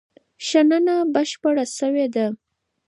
شننه بشپړه شوې ده.